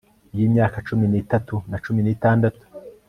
y'imyaka cumi n'itatu na cumi n'itandatu